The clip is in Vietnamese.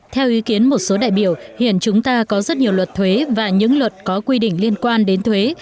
theo ý kiến một số đại biểu hiện chúng ta có rất nhiều luật thuế và những luật có quy định liên quan đến thuế